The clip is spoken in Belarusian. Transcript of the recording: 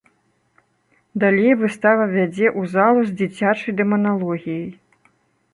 Далей выстава вядзе ў залу з дзіцячай дэманалогіяй.